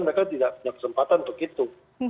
mereka tidak punya kesempatan untuk itu